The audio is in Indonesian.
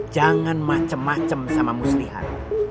jangan macem macem sama muslihat